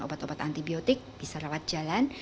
obat obat antibiotik bisa rawat jalan